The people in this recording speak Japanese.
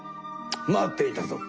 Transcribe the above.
待っていたぞ！